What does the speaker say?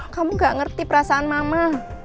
kamu gak ngerti perasaan mama